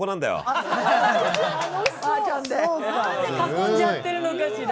何で囲んじゃってるのかしら。